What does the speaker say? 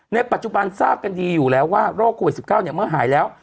ในปัจจุบันทราบกันดีอยู่แล้วว่าโรคโควิด๑๙เมื่อหายแล้ว